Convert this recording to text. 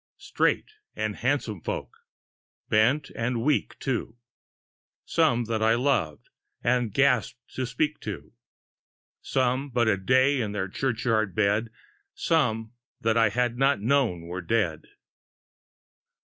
Straight and handsome folk; bent and weak, too; Some that I loved, and gasp'd to speak to; Some but a day in their churchyard bed; Some that I had not known were dead.